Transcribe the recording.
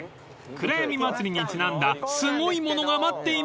［くらやみ祭にちなんだすごいものが待っています］